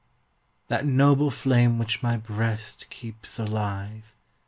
That noble flame, which my Ijreast keeps alive.